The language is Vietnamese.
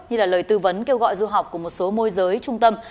như là lời tư vấn kêu gọi du học của một số môi giới trung tâm